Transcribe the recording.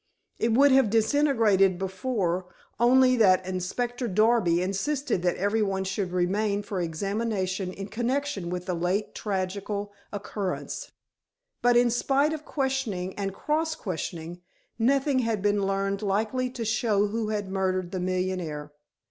It would have disintegrated before only that Inspector Darby insisted that every one should remain for examination in connection with the late tragical occurrence. But in spite of questioning and cross questioning, nothing had been learned likely to show who had murdered the millionaire.